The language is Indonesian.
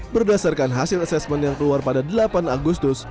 berdasarkan hasil asesmen yang keluar pada delapan agustus